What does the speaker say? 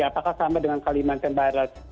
apakah sama dengan kalimantan barat